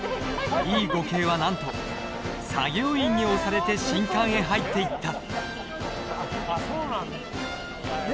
Ｅ５系はなんと作業員に押されて新館へ入っていった。